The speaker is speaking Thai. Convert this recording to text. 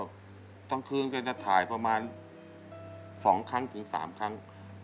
กลางคืนก็จะถ่ายประมาณ๒ครั้งถึง๓ครั้ง